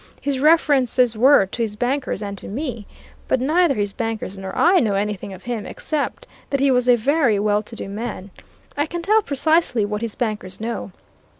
His references were to his bankers and to me. But neither his bankers nor I know anything of him, except that he was a very well to do man. I can tell precisely what his bankers know.